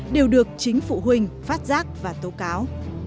đều được chính phụ huynh phát giác và tố cáo